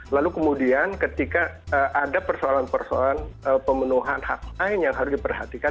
lalu kemudian ketika ada persoalan persoalan pemenuhan hak lain yang harus diperhatikan